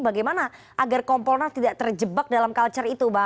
bagaimana agar kompolnas tidak terjebak dalam culture itu pak